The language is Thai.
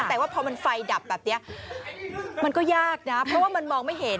แต่ว่าพอมันไฟดับแบบนี้มันก็ยากนะเพราะว่ามันมองไม่เห็น